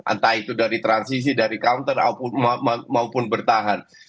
entah itu dari transisi dari counter maupun bertahan